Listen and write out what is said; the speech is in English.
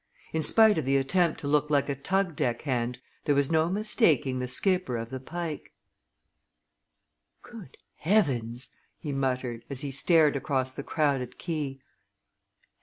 In spite of the attempt to look like a tug deck hand there was no mistaking the skipper of the Pike. "Good heavens!" he muttered, as he stared across the crowded quay.